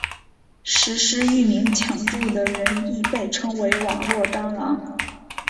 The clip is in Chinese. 实施域名抢注的人亦被称为网路蟑螂。